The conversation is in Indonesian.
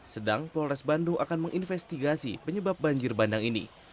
sedang polres bandung akan menginvestigasi penyebab banjir bandang ini